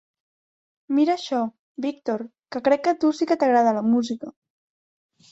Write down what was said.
Mira això, Víctor, que crec que a tu sí que t'agrada la música.